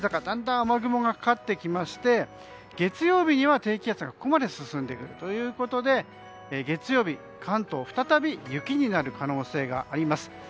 だんだん雨雲がかかってきまして月曜日には低気圧がここまで進んでくるということで月曜日、関東再び雪になる可能性があります。